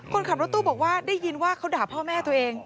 คนขับรถตู้บอกว่าได้ยินว่าเขาด่าพ่อแม่ตัวเอง